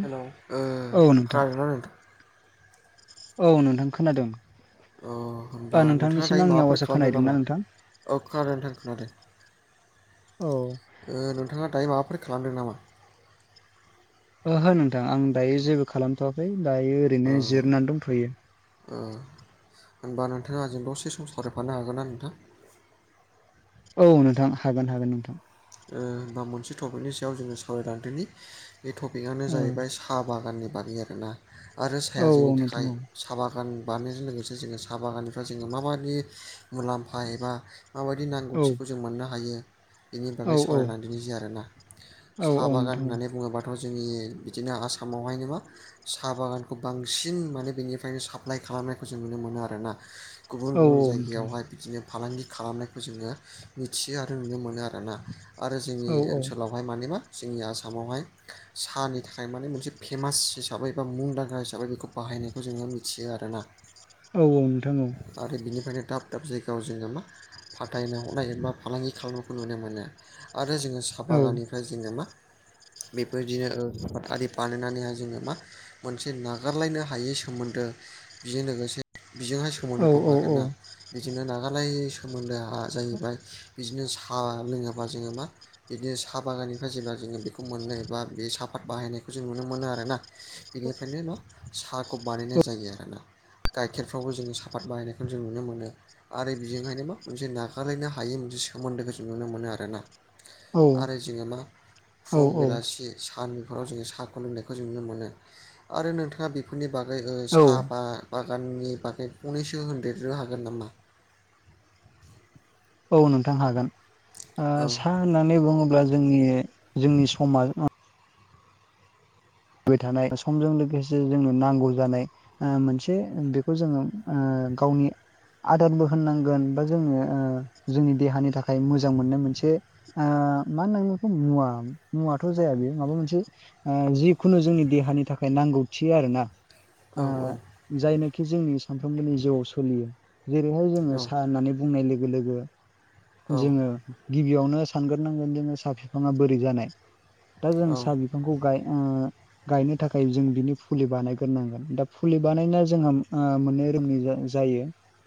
हेल' औ नोंथां खोनादोंना नोंथां? औ नोंथां खोनादों। अ होनबा ओ नोंथाङा नोंथांनिसिम दायो आंनि माबाफोर आवाजआ खालामदो खोनाहैदोंना नामा? नोंथां अ खोनादों नोंथां खोनादों। औ नोंथाङा दायो माबाफोर खालामदों नामा? ओहो नोंथां आं दायो जेबो खालामथ'वाखै दायो ओरैनो जिरनानै दंथ'यो। होनबा नोंथाङा आजों दसे सम सावरायफानो हागोन ना नोंथां? औ नोंथां हागोन हागोन नोंथां। बा मोनसे टपिकनि सायाव जोङो सावरायलांदोनि बे टपिकआनो औ जाहैबाय साहा बागाननि बागै आरोना आरो साया औ जोंनि औ नोंथां थाखाय औ साहा बागान बानायनायजों लोगोसे जोङो साहा बागाननिफ्राय जोङो माबायदि मुलाम्फा एबा माबायदि औ नांगौथिखौ जों मोननो हायो बेनि बागै औ औ सावरायलांदिनोसै आरोना औ साहा औ बागान नोंथां होननानै बुङोबाथ' जोंनि बिदिनो आसामावहायनो मा साहा बागानखौ बांसिन माने बेनिफ्रायनो साप्लाय खालामनायखौ जों नुनो मोनो आरोना। गुबुन औ नोंथां औ गुबुन नोंथां जायगायावहाय बिदिनो फालांगि खालामनायखौ जोङो मिथियो आरो नुनो मोनो आर ना। आरो जोंनि औ औ ओनसोलाव बेहाय मे मा जोंनि आसामावहाय साहानि थाखाय माने मोनसे फेमास हिसाबै बा मुंदांखा हिसाबै बेखौ बाहायनायखौ जोङो मिथियो आरोना। औ औ नोंथां औ आरो बिनिफ्रायनो दाब दाब जायगायाव जोङो मा फाथायनो हरनाय एबा फालांगि खालामनायखौ नुनो मोनो। आरो जोङो साहा औ बागाननिफ्राय जोङो मा बेफोरदिनो [unintelligible] बानायनानैहाय जोङो मा मोनसे नागारलायनो हायै सोमोन्दो बेजों लोगोसे बिजोंहाय सोमोन्दो दं आरोना बिजोंनो नागारलाय सोमोन्दोआ साहा जाहैबाय बिदिनो साहा लोङोबा जोङो मा बिदिनो साहा बागाननिफ्राय जेब्ला जोङो बेखौ मोननो बा बे साफात बाहायनायखौ जों नुनो मोनो आरोना बेनिफ्रायनो न' साहाखौ बानायनाय जायो आरोना गाइखेरफ्रावबो जोङो साफादत बायनायखौनो जों नुनो मोनो। आरो बेजोंहायनो मा मोनसे नागारलायनो हायै मोनसे सोमोन्दोखौ जों नुनो मोनो आरो आरोना आरो जोङो मा फुं बेलासि साननिफोराव जोङो साहाखौ लोंनायखौ जों नुनो मोनो आरो नोंथाङा बे बेफोरनि बागै औ साहा बा बागाननि बागै गंनैसो होनदेरनो हागोन नामा औ नोंथां हागोन औ सा होननानै बुङोब्ला जोंनि जोंनि समाज फैबाय थानाय समजों लोगोसे जोंनो नांगौ जानाय मोनसे बेखौ जोङो गावनि आदारबो होननांगोन बा जोङो जोंनि देहानि थाखाय मोजां मोननाय मोनसे मानो होनखौ मुवा मुवाथ' जाया बेयो माबा मोनसे जि खुनु जोंनि देहानि थाखाय नांगौथि आरोना औ औ जायनोखि जोंनि सानफ्रोमबोनि जिउआव सोलियो जेरैहाय जोङो औ साहा होननानै बुंनाय लोगो लोगो औ जोङो गिबियावनो सानग्रोनांगोन जोङो साहा बिफाङा बोरै जानाय दा जों औ साहा बिफांखौ गाय गायनो थाखाय जों बिनि फुलि बानायग्रोनांगोन दा फुलि बानायनाया जोंहा मोननै रोोमनि जायो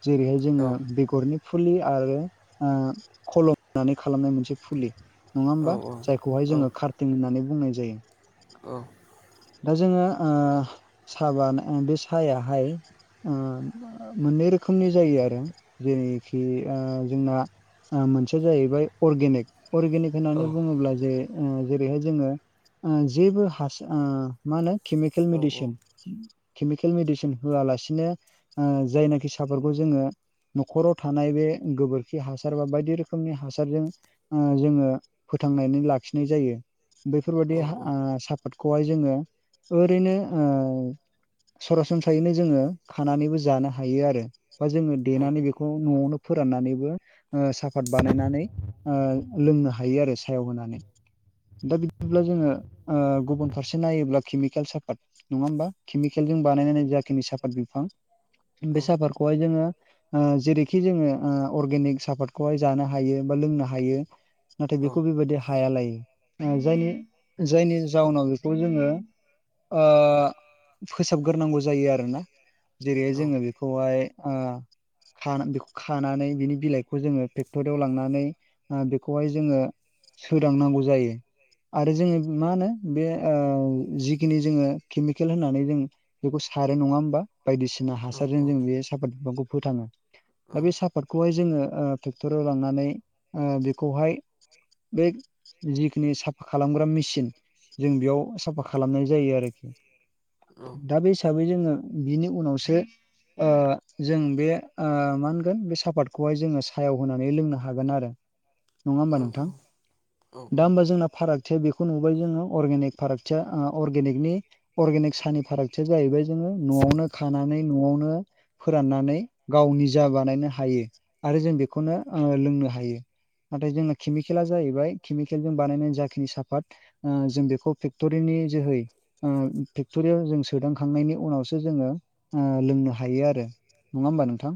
जेरैहाय औ जोङो बेगरनि फुलि आरो खलमनानै खालामनाय मोनसे फुलि नङा होमबा जायखौहाय औ जोङो खार्थिं होननानै बुंनाय जायो [unintelligible] दा जोङो साबानो बे साहायाहाय मोननै रोखोमनि जायो आरो जेरैखि जोंना मोनसेया जाहैबाय अर्गेनिक अर्गेनिक होननानै बुङोब्ला जे जेरैहाय जोङो जेबो हास मा होनो केमिकेल औ औ मेडिसिन केमिकेल मेडिसिन होआलासिनो जायनाखि साफोरखौ जोङो न'खराव थानाय बे गोबोरखि हासार बा बायदि रोखोमनि हासारजों जोङो फोथांनानै लाखिनाय जायो बेैफोरबाददि औ सा आबादखौहाय जोङो ओरैनो सरासनस्रायैनो जोङो खानानैबो जानो हायो आरो बा जोङो औ देनानै बेखौ न'आवनो फोराननानैबो साफात बानायनानै लोंनो हायो आरो सायाव होनानै दा बिदिब्ला जोङो गुबुन फारसे नायोब्ला केमिकेल साफात नङा होमबा केमिकेलजों बानायनानै जाखिनि साफात बिफां औ बेसाफोरखौहाय जोङो जेरैखि जोङो अरगेनिक सापाादखौहाय जानो हायो बा लोंनो हायो नाथाय बेखौ बेबायादि हाया लायो जायनि जायनि जाउनाव बेखौ जोङो फोसाबग्रोनांगौ जायो आरोोना जेरैहाय जोङो बेखौ खौहाय बेखौ खानानै बिनि बिलाइखौ जोङो फेक्टरियाव लांनानै बेखौहाय जोङो सोदांनांगौ जायो आरो जोङो मा होनो बे जिखिनि जोङो केमिकेल होननानै जों बेखौ सारो नङा होमबा बायदिसिना बायदिसिना हासारजों जों बे सापादत बिफांखौ फोथाङो दा बे साफााद बेखौहाय जोङो ट्रेक्टराव लांनानै बेखौहाय बे जिखिनि साफा खालामग्रा मेचिन जों बेयाव साफा खालामनाय जायो आरोखि दा बे हिसाबै जोङो बिनि उनावसो जों बे मा होनगोन बे सापातखौहाय जोङो सायाव होनानै लोंनो हागोन आरो नङा होमबा नोंथां दा होमबा जोंना फारागथिया बेखौ नुबाय जोङो अर्ेनिक फारागथिया अनिकनि अगेनिक स फारागथिया जाहैबाय जोङो न'आवनो खानानै न'आवनो फोराननानै गाव निजा बानायनो हायो आरो जों बेखौनो लोंनो हायो नाथाय जोङो केमिकेला जाहैबाय केमिकेल जों बानायनाय जाखिनि साफाद जों बेखौ फेक्ट'रिनि जोहै फेक्टरियाव जों सोदांखांनायनि उनावसो जोङो लोंनो हायो आरो नङा होमबा नोंथां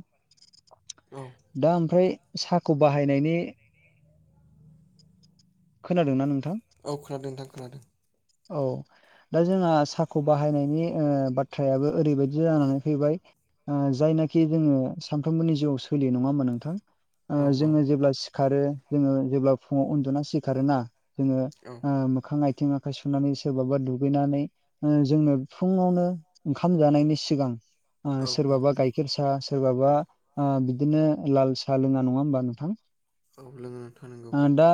औ औ दा ओमफ्राय साखौ बाहायनायनि खोनादों नोंथां औ खोनादों नोंथां खोनादों औ दा जोंहा साहाखौ बाहायनायनि बाथ बख्रायाबो ओरैबायदि जानानै फैबाय जायनाखि जोङो सानफ्रोमबोनि जिउआव सोलियो नङा होमबा नोंथां औ जोङो जेब्ला सिखारो जोङो जेब्ला फुङाव उन्दुना सिखारोना जोङो औ मोखां आथिं आखाइ सुनानै सोरबाबा दुगैनानै जोंनो फुङावनो ओंखाम जानायनि सिगां औ औ सोरबाबा गायखेर गायखेर साह सोरबाबा बिदिनो लाल साह लोङा नङा होमबा नोंथां औ लोङो नोंथां नोंगौ दा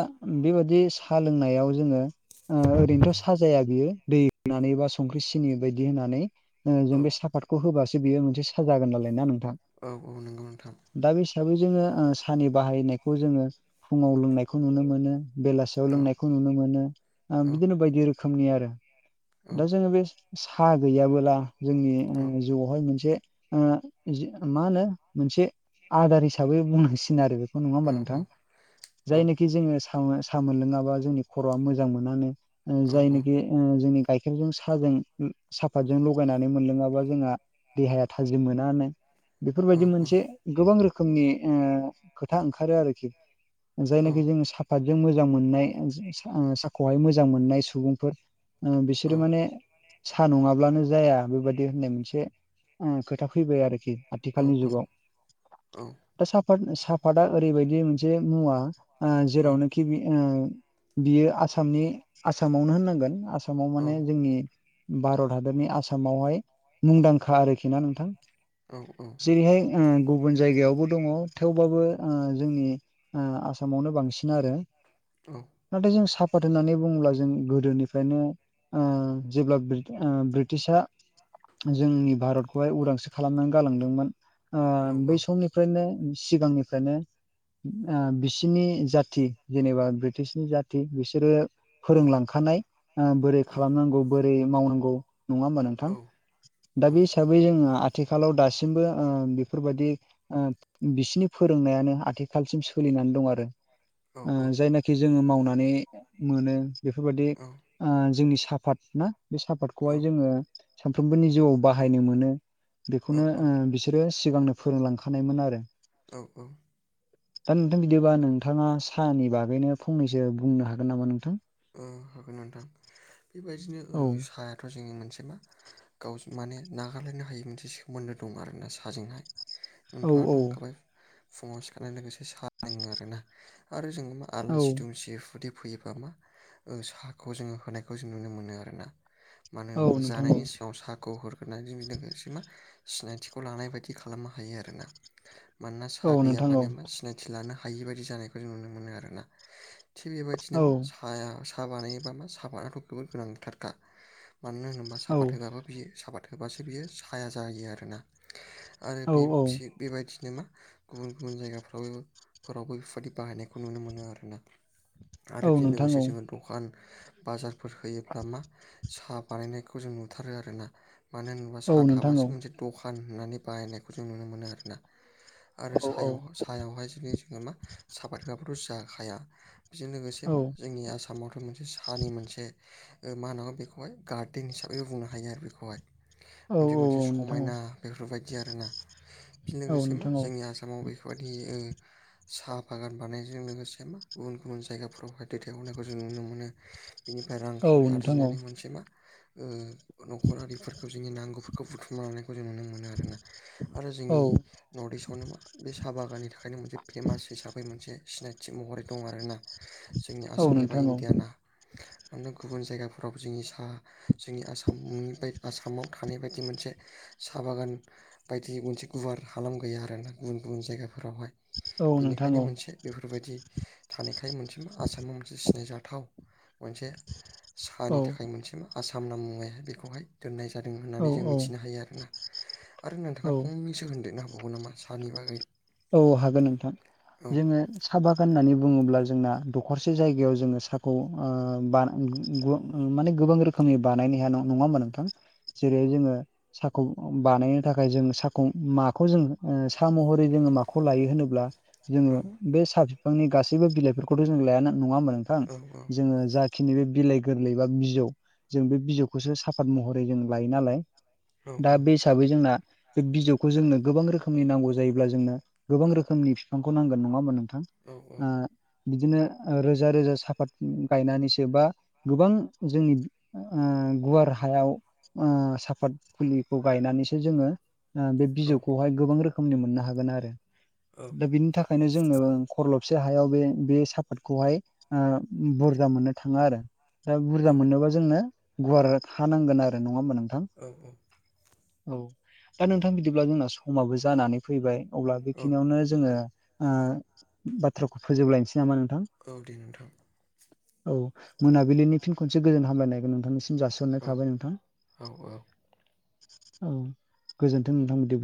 बेबादि साहा लोंनायाव जोङो ओरैनोथ' साह जाया बियो दै होनानै बा संख्रि सिनि बायदि होनानै जों औ बे साफातखौ होबासो बेयो मोनसे साह जागोन नालाय ना नोंथां औ औ नंगौ नोंथां। दा बे हिसाबै जोङो साहनि बाहायनायखौ जोङो फुङाव लोंनायखौ नुनो मोनो। बेलासियाव औ लोंनायखौ नुनो मोनो औ बिदिनो बायदि रोखोमनि आरो औ दा जोङो बे साह गैयाबोला जोंनि जिउआवहाय मोनसे जि मा होनो मोनसे आदार हिसाबै बुंनांसिगोन आरो बेखौ नङा होमबा नोंथां जायनोखि जोङो साह मोनलोङाबा जोंनि खर'आ मोजां मोनानो जायनोखि जोंनि गाइखेरजों साहजों साफातजों लगायनानै मोनलोङाबा जोंहा देहाया थाजिम मोनानो बेफोरबायदि औ औ मोनसे गोबां रोखोमनि खोथा ओंखारो आरोखि जायनाखि जोङो साफातजों मोजां मोननाय साहखौहाय मोजां मोननाय सुबुंफोर बिसोरो माने साह नङाब्लानो जाया बेबायदि होननाय मोनसे खोथा फैबाय आरोखि आथिखालनि जुगाव औ औ दा साफाद साफादा ओरैबायदि मोनसे मुवा जेरावनोखि बियो आसामनि आसामावनो होननांगोन आसामाव औ माने भारत हादरनि आसाम आसामावहाय मुंदांखा आरोखि ना नोंथां औ औ जेरैहाय गुबुन जायगायावबो दङ थेवबाबो जोंनि आसामावनो बांसिन आरो औ नाथाय जों साफात होननानै बुङोब्ला जों गोदोनिफ्रायनो जेब्ला ब्रि-ब्रिटिशआ जोंनि भारतखौहाय उदांस्रि खालामनानै गालांदोंमोन। औ बै समनिफ्रायनो सिगांनिफ्रायनो बिसिनि जा थि जेनेबा बृटिसनि जाथि बिसोरो फोरोंलांखानाय बोरै खालामनांगौ बोरै मावनांगौ नङा होमबा नोंथां दा बे हिसाबै जोङो आथिखालाव दासिम दसिमबो बेफोरबायदि बिसिनि फोरोंनायानो आथिखालसिम सोलिनानै दं आरो जायनाखि जोङो मावनानै मोनो बेफोरबादि जोंनि साफाद ना बे साफातखौहाय जोङो सानफ्रोमबोनि जिउआव बाहायनो मोनो बेखौनो औ औ बिस बिसोरो सिगांनो फोरोंलांखानायमोन आरो औ औ दा नोंथां बिदिबा नोंथाङा साहनि बागैनो फंनैसो बुंनो हागोन नामा नोंथां? हागोन नोंथां बेबायदिनो औ साह थ' जोंनि मोनसे मा गावजों माने नागारलायनो हायि मोनसे सोमोन्दो दं आरोना साजोंहाय औ नोंथाङाथ' औ होनखाबाय फुङाव सिखारनाय लोगोसे सा लोङो आरोना आरो जोङो मा औ आलासि दुमसि हुदि फैयोबा मा ओ साहखौ जोङो होनायखौ जों नुनो मोनो आरोना मानो औ होनोब्ला नोंथां औ जानायनि सिगाङाव साह [unintelligible] हरग्रोनानै बिजों लोगोसे मा सिनायथिखौ लानाय बायदि खालामनो हायो आरोना मानोना औ सा नोंथां औ गैयाबानो मा सिनायथि लानो हायि बादि जानायखौ जों नुनो मोनो आरोना टिभि बायदिसिना औ मा साया साहा बानायोबा मा सापादतआथ' जोबोर गोनांथारखा मानो होनोबा औ सापात होबाबो बियो साबाद होबासो बियो साया जाहैयो आरोना आरो औ बे औ फि बेबायदिनो मा गुबुन गुबुन जायगाफ्राव फोरावबो बेफोरबायदि बाहायनायखौ नुनो मोनो आरोना आरो औ बेजों नोंथां लोगोसे औ जोङो दखान बाजारफोर होयोब्ला मा साहा बानायनायखौ जों नुथारो आरोना मानो होनोब्ला औ सा नोंथां थाबासो औ मोनसे दखान होनानै बाहायनायखौ जों नुनो मोनो आरोना आरो औ औ सायाव सायावहाय जुदि जोङो मा साफात होआबाथ' जाखाया बेजों लोगोसे औ मा जोंनि आसामावथ' मोनसे सानि मोनसे ओ मा होन' बेखौहाय गार्देन हिसाबैबो बुंनो हायो आरो बेखौहाय औ मोनसे मोनसे औ नोंथां औ समायना बेफोरबायदि आरोना बेनि औ लोगोसे मा नोंथां औ जोंनि आसामाव बेफोर बायदि ओ साहा बागान बानायजों लोगोसे मा गुबुन गुबुन जायगाफोरावहाय दैथायहरनायखौ जों नुनो मोनो बेनिफ्राय औ रांखावरि नोंथां औ आरजिनानै मोनसे मा ओ न'खर आरिफोरखौ जोंनि नांगौफोरखौ बुथुमना लानायखौ जों नुनो मोनो आरोना आरो जोंनि औ नर्थ इस्टआवनो मा बे साहा बागाननि थाखायनो मोनसे फेमास हिसाबै मोनसे सिनायथि महरै दं आरो ना जोंनि औ आसाम एबा नोंथां औ इण्डियाना मानोना गुबुन जायगाफोराव जोंनि सा जोंनि आसामनि आसामाव थानाय बायदि मोनसे साहा बागान बायदि मोनसे गुवार हालाम गैया आरोना गुबुन गुबुन जायगाफोरावहाय औ बेनिखायनो नोंथां मोनसे बेफोरबायदि थानायखाय मोनसे मा आसामाव मोनसे सिनायजाथाव मोनसे औ औ साहानि थाखाय मोनसे मा आसाम नाम मुङैहाय बेखौहाय दोननाय जादों औ होननानै जों मिथिनो हायो आरोना आरो नोंथाङा औ फंनैसो होनदेरनो हाबावगोन नामा सानि बागै औ हागोन नोंथां औ जोङो साहा बागान होननानै बुङोब्ला जोंना दखरसे जायगायाव जोङो साहाखौ ओ बा [unintelligible] ओ माने गोबां रोखोमनि बानायनाया नङा होमबा नोंथां जेरै जोङो साखौ बानायनो थाखाय जों साखौ माखौ जोङो सा महरै जोङो मा खौ लायो होनोब्ला जोङो बे सा फिफांनि गासैबो बिलाइफोरखौथ' जों लायाना नङा होमबा नों थां औ औ जोङो जा खिनि बे बिलाइ गोरलै बा बिजौ जों बे बिजौखौसो साफत महरै जों लायो नालाय औ दा बे हिसाबै जोंना बे बिजौखौ जोंनो गोबां रोखोमनि नांगौ जायोब्ला जोंनो गोबां रोखोमनि फिफांखौ नांगोन नङा होमबा नोंथां औ ओ बिदिनो रोजा रोजा साफात गायनानैसो बा गोबां जोंनि ओ गुवार हायाव ओ साफात फुलिखौ गायनानैसो जोङो ओ बे औ बिजौखौहाय गोबां रोखोमनि मोननो हागोन आरो दा बिनि थाखायनो जोङो खरलबसे हायाव बे बे साफातखौहाय ओ बुरजा मोननो थाङो आरो दा बुरजा मोननोबा जोंनो गुवार हा नांगोन आरो नङा होमबा नोंथां औ औ दा नोंथां बिदिब्ला जोंना समाबो जानानै फैबाय अब्ला बे औ नो जोङो ओ बाथ्राखौ फोजोबलायनोसै नामा नोंथां औ दे नोंथां औ मोनाबिलिनि फीन खनसे गोजोन हामलायनायागोन नोंथांनिस जासिहरनाय औ थाबाय नोंथां औ औ औ गोजोनथों नोंथां बिदि